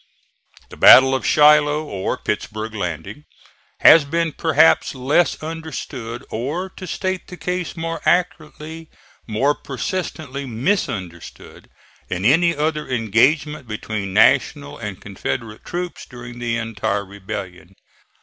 The battle of Shiloh, or Pittsburg landing, has been perhaps less understood, or, to state the case more accurately, more persistently misunderstood, than any other engagement between National and Confederate troops during the entire rebellion.